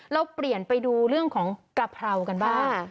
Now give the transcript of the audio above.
เราเปลี่ยนไปดูเรื่องของกะเพรากันบ้าง